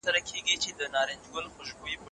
سپی د غلام د نېکۍ یوازینی خاموشه شاهد و.